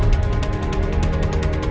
ya udah aku nelfon